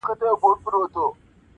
سپینو وېښتو ته جهاني هینداره نه ځلوم -